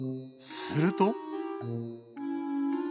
すると。